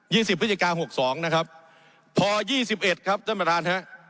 สิบพฤศจิกาหกสองนะครับพอยี่สิบเอ็ดครับท่านประธานฮะ